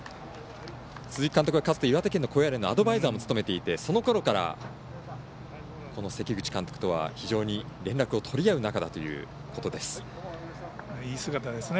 鈴木監督は、岩手県の高野連のアドバイザーも務めていてそのころから関口監督から連絡を取り合ういい姿ですね。